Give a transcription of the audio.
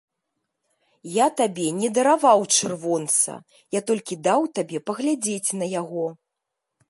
Я табе не дараваў чырвонца, я толькі даў табе паглядзець на яго.